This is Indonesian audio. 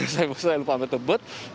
saya lupa lupa ambil tebet